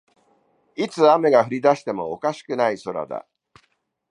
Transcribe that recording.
いつ雨が降りだしてもおかしくない空だ